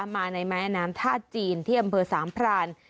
มาในแม่น้ำท่าจีนที่อำเภอสามพราน